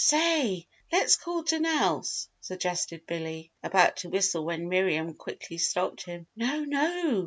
"Say, let's call to Nelse!" suggested Billy, about to whistle when Miriam quickly stopped him. "No, no!